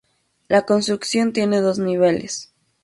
La construcción tiene dos niveles.